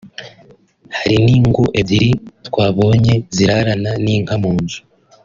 Hari n’ingo ebyiri twabonye zirarana n’inka mu nzu